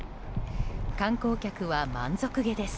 観光客は満足げです。